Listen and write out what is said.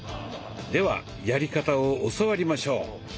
ではやり方を教わりましょう。